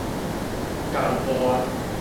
共伴